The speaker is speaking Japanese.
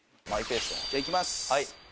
じゃあいきます。